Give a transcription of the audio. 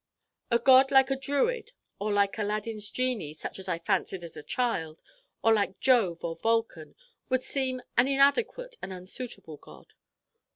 A God like a druid or like Aladdin's genie, such as I fancied as a child, or like Jove or Vulcan, would seem an inadequate and unsuitable God.